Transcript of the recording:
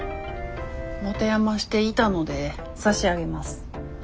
持て余していたので差し上げます。